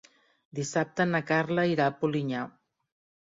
Dissabte na Carla irà a Polinyà.